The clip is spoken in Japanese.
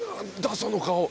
その顔。